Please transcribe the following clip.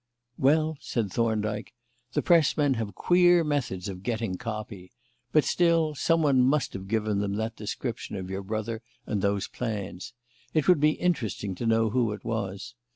"Well," said Thorndyke, "the Press men have queer methods of getting 'copy'; but still, someone must have given them that description of your brother and those plans. It would be interesting to know who it was.